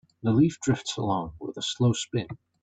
The leaf drifts along with a slow spin.